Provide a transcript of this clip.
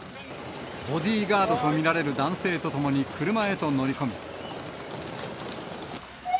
ボディーガードと見られる男性と共に車へと乗り込み。